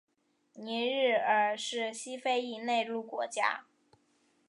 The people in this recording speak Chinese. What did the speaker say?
尼日尔是西非一内陆国家。